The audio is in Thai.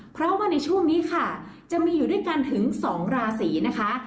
เพราะว่าในช่วงนี้ค่ะจะมีอยู่ด้วยกันถึง๒ราศีนะคะ